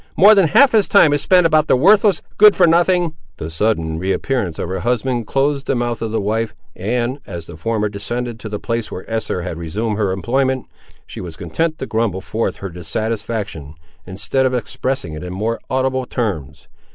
More than half his time is spent about the worthless, good for nothing—" The sudden re appearance of her husband closed the mouth of the wife; and, as the former descended to the place where Esther had resumed her employment, she was content to grumble forth her dissatisfaction, instead of expressing it in more audible terms.